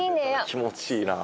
気持ちいいな。